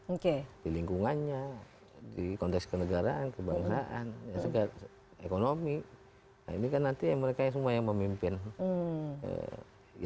oke di lingkungannya di konteks ke negaraan kebangsaan juga ekonomi ini kan nanti mereka yang